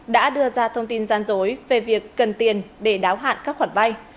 đã đưa ra thông tin gian dối về việc cần tiền để đáo hạn các khoản vay